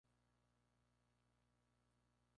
Habita en Tailandia, Singapur y Borneo.